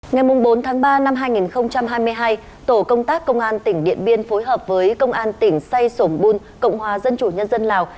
ngày bốn tháng ba năm hai nghìn hai mươi hai tổ công tác công an tỉnh điện biên phối hợp với công an tỉnh say sổm bun cộng hòa dân chủ nhân dân lào